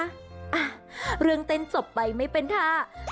อ่ะเรื่องเต้นจบไปไม่เป็นท่า